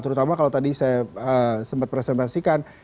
terutama kalau tadi saya sempat presentasikan